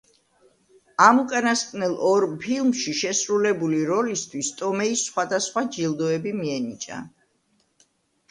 ამ უკანასკნელ ორ ფილმში შესრულებული როლისთვის ტომეის სხვადასხვა ჯილდოები მიენიჭა.